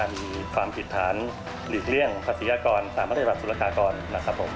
มีความผิดฐานหลีกเลี่ยงภาษียากรตามมาตรการสุรกากรนะครับผม